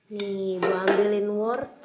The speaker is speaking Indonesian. nih ibu ambilin wortel